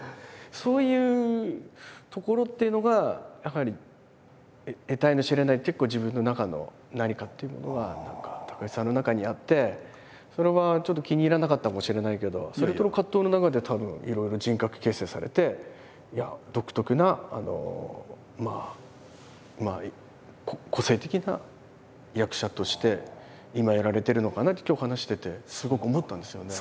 そういうところっていうのがやはりっていうものが何か高橋さんの中にあってそれはちょっと気に入らなかったかもしれないけどそれとの葛藤の中でたぶんいろいろ人格形成されて独特な個性的な役者として今やられてるのかなって今日話しててすごく思ったんですよね。